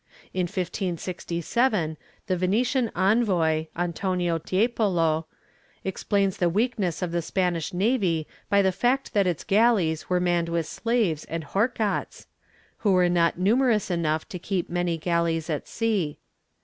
In 1567 the Venitian envoy, Antonio Tiepolo, explains the weakness of the Spanish navy by the fact that its galleys were manned with slaves and forgats, who were not numerous enough to keep many galleys at sea.